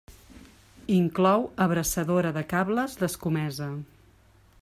Inclou abraçadora de cables d'escomesa.